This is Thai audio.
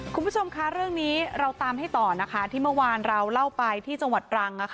คุณผู้ชมคะเรื่องนี้เราตามให้ต่อนะคะที่เมื่อวานเราเล่าไปที่จังหวัดตรัง